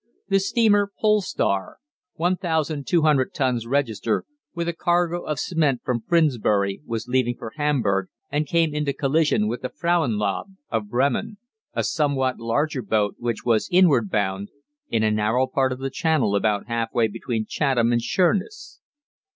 The steamer 'Pole Star,' 1,200 tons register, with a cargo of cement from Frindsbury, was leaving for Hamburg, and came into collision with the 'Frauenlob,' of Bremen, a somewhat larger boat, which was inward bound, in a narrow part of the channel about half way between Chatham and Sheerness.